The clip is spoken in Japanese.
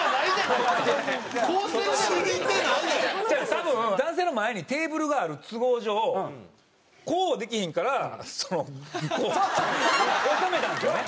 多分男性の前にテーブルがある都合上こうできひんからそのこう収めたんですよね。